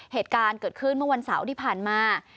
เหตุการณ์เกิดขึ้นเมื่อวันเสาร์ที่ผ่านมา